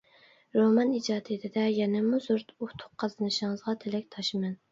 رومان ئىجادىيىتىدە يەنىمۇ زور ئۇتۇق قازىنىشىڭىزغا تىلەكداشمەن.